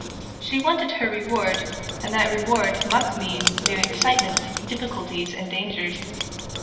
She wanted her reward, and that reward must mean new excitements, difficulties, and dangers.